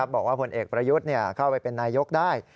บอกว่าผลเอกประยุทธ์เข้าไปเป็นนายกได้